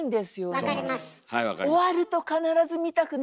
はい分かります。